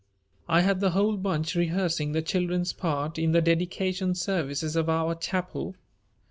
"I had the whole bunch rehearsing the children's part in the dedication services of our chapel.